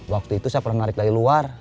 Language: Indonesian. waktu itu saya pernah menarik dari luar